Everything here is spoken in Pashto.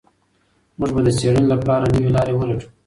موږ به د څېړنې لپاره نوي لاري ولټوو.